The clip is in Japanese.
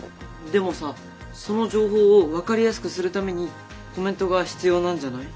でもさその情報を分かりやすくするためにコメントが必要なんじゃない？